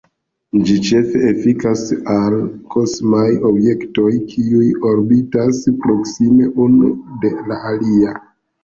Ĝi ĉefe efikas al kosmaj objektoj, kiuj orbitas proksime unu de la alia.